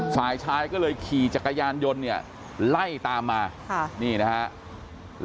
ฝ่ายชายก็เลยขี่จักรยานยนต์เนี่ยไล่ตามมาค่ะนี่นะครับ